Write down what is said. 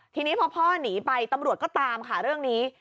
ทีนี้พอพ่อหนีไปตำรวจก็ตามค่ะเรื่องนี้